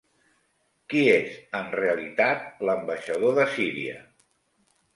Qui és en realitat l'ambaixador de Síria?